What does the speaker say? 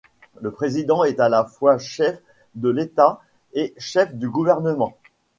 Le président est à la fois chef de l’État et chef du gouvernement.